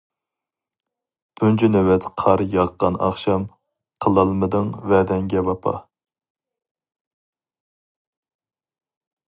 تۇنجى نۆۋەت قار ياغقان ئاخشام، قىلالمىدىڭ ۋەدەڭگە ۋاپا.